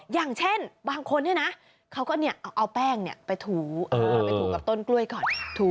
อย่างเช่นบางคนเนี่ยนะเขาก็เอาแป้งไปถูไปถูกับต้นกล้วยก่อน